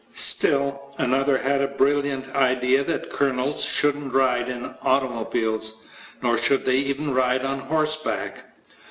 Still another had the brilliant idea that colonels shouldn't ride in automobiles, nor should they even ride on horseback.